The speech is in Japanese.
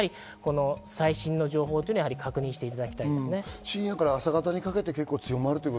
最新の情報を確認していただきたいです。